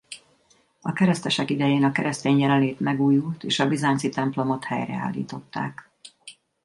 A keresztesek idején a keresztény jelenlét megújult és a bizánci templomot helyreállították.